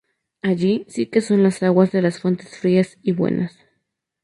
Allí sí que son las aguas de las fuentes frías y buenas.